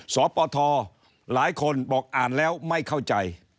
สปทหลายคนบอกอ่านแล้วไม่เข้าใจ